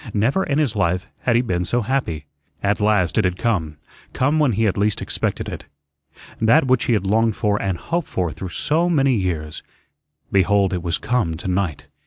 Never in his life had he been so happy. At last it had come come when he had least expected it. That which he had longed for and hoped for through so many years, behold, it was come to night.